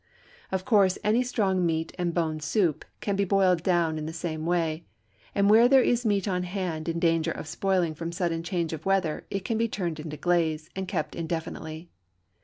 Of course any strong meat and bone soup can be boiled down in the same way, and where there is meat on hand in danger of spoiling from sudden change of weather it can be turned into glaze, and kept indefinitely.